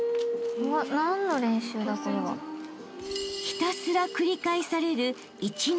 ［ひたすら繰り返される一の文字］